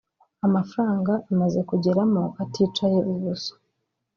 amafaranga amaze kugeramo aticaye ubusa